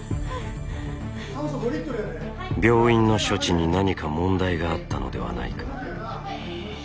病院の処置に何か問題があったのではないか。